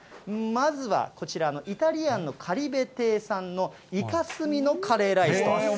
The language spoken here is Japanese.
まずは、こちらのイタリアンのかりべ亭さんのイカスミのカレーライスと。